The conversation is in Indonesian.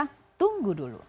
kita tunggu dulu